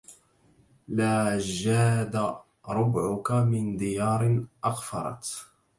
لا جاد ربعك من ديار أقفرت